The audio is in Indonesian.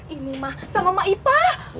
ini mah sama ipa